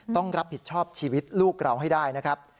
ต้องรับผิดชอบชีวิตลูกเราให้ได้นะครับ